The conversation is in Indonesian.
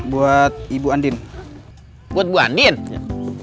buat ibu andien buat dance